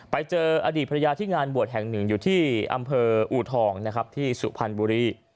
ไปเจออดีตภัยที่งานบวชแห่งหนึ่งอยู่ที่อำเภออูทองที่สุพันธ์บุรี